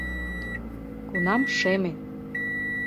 Кунам шеме